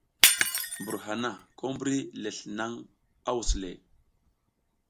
Mbur hana ko mbri lesl naƞ a wus le.